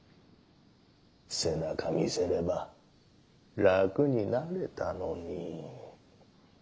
背中見せれば楽になれたのにッ。